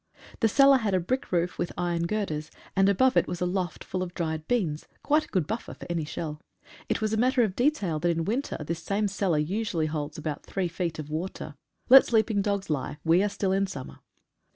The cellar had a brick roof with iron girders, and above it was a loft full of dried beans, — quite a good buffer for any shell. It was a matter of detail that in winter this same cellar usually holds about three feet of water, — 102 NEUVE CHAPELLE IN RUINS. let sleeping dogs lie, we are still in summer!